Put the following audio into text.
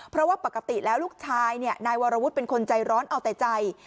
เพราะว่าปกติแล้วลูกชายนายวรวุฒิเป็นคนใจร้อนเอาแต่ใจ